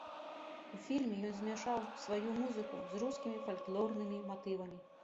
У фільме ён змяшаў сваю музыку з рускімі фальклорнымі матывамі.